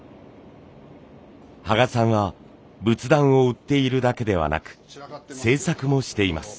羽賀さんは仏壇を売っているだけではなく製作もしています。